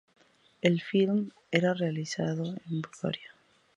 El film era realizado en Bulgaria, por lo que nuevamente el álbum fue pospuesto.